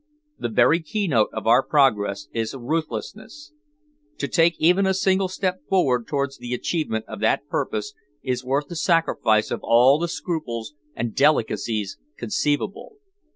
The very keynote of our progress is ruthlessness. To take even a single step forward towards the achievement of that purpose is worth the sacrifice of all the scruples and delicacies conceivable.